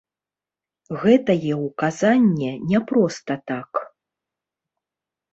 Гэтае ўказанне не проста так.